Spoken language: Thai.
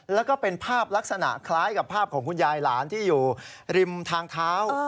แล้วก็เป็นภาพลักษณะคล้ายกับภาพของคุณยายหลานที่อยู่ริมทางเท้า